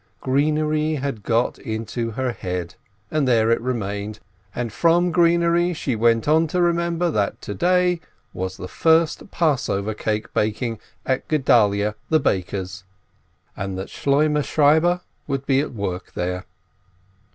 Greenery had got into her head, and there it remained, and from greenery she went on to remember that to day was the first Passover cake baking at Gedalyeh the baker's, and that Shloimeh Shieber would be at work there.